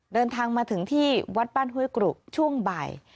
เดินทางมาถึงที่วัดบ้านห้วยกรุกช่วงบ่าย